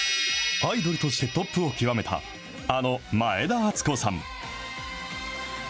アイドルとしてトップを極めたあの前田敦子さん。